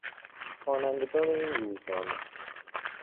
خوانندگان این روزنامه